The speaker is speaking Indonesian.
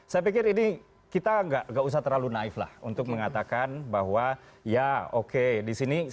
saya pikir ini kita nggak usah terlalu naif lah untuk mengatakan bahwa ya oke disini